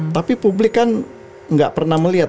tapi publik kan nggak pernah melihat